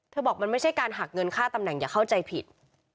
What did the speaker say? บอกมันไม่ใช่การหักเงินค่าตำแหน่งอย่าเข้าใจผิด